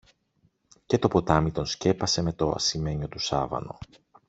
και το ποτάμι τον σκέπασε με το ασημένιο του σάβανο.